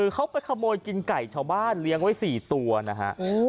เขาไปขโมยกินไก่ชาวบ้านเลี้ยงไว้๔ตัวนะฮะ